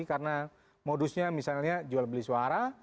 karena modusnya misalnya jual beli suara